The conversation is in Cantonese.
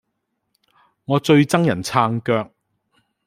我最憎人撐腳